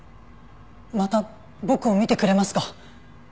また僕を診てくれますか？